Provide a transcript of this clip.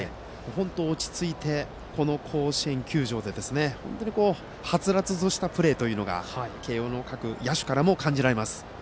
本当に落ち着いて甲子園球場ではつらつとしたプレーというのが慶応の各野手からも感じられます。